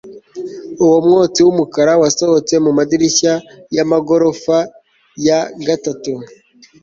umwotsi wumukara wasohotse mumadirishya yamagorofa ya gatatu